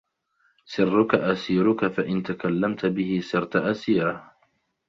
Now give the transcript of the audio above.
سِرُّك أَسِيرُك فَإِنْ تَكَلَّمْت بِهِ صِرْت أَسِيرَهُ